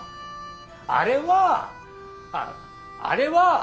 あれはあれは。